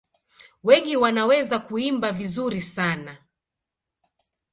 Wengi wanaweza kuimba vizuri sana.